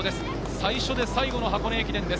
最初で最後の箱根駅伝です。